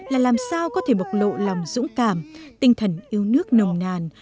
là làm sao có thể bộc lộ lòng dũng cảm tinh thần yêu nước nồng nàn